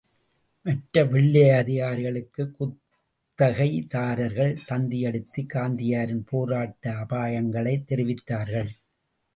மற்ற வெள்ளையதிகாரிகளுக்கு குத்தகைதாரர்கள் தந்தியடித்து காந்தியாரின் போராட்ட அபாயங்களைத் தெரிவித்தார்கள்.